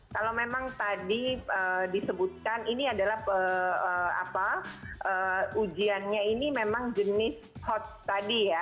kalau memang tadi disebutkan ini adalah ujiannya ini memang jenis hot tadi ya